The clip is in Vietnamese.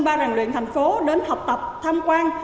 ba ràn luyện thành phố đến học tập tham quan